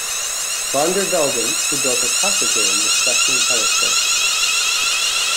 VanderVelden - who built a Cassegrain reflecting telescope.